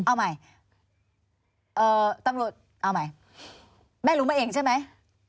เอาใหม่ตำรวจเอาใหม่แม่รู้มาเองใช่ไหม